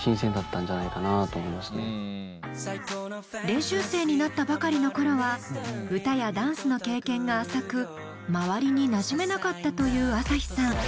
練習生になったばかりの頃は歌やダンスの経験が浅く周りになじめなかったというＡＳＡＨＩさん。